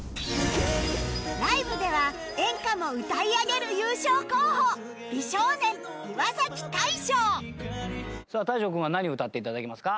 ライブでは演歌も歌い上げる優勝候補美少年岩大昇さあ大昇くんは何を歌って頂けますか？